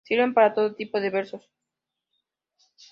Sirve para todo tipo de versos.